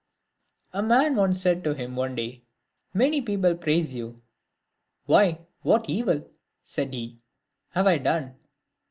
A man said to him one day, " Many people praise you." " Why, what evil," said he, " have I done